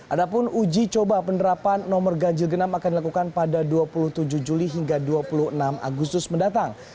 adapun uji coba penerapan nomor ganjil genap akan dilakukan pada dua puluh tujuh juli hingga dua puluh enam agustus mendatang